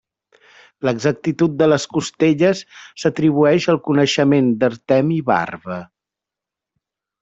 L’exactitud de les costelles s’atribueix al coneixement d'Artemi Barba.